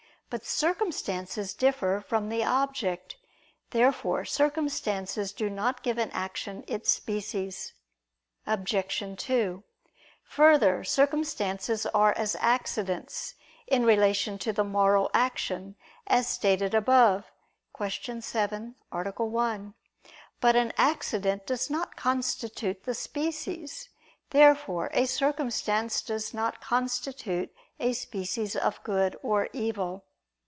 But circumstances differ from the object. Therefore circumstances do not give an action its species. Obj. 2: Further, circumstances are as accidents in relation to the moral action, as stated above (Q. 7, A. 1). But an accident does not constitute the species. Therefore a circumstance does not constitute a species of good or evil.